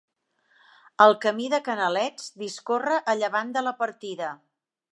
El Camí de Canalets discorre a llevant de la partida.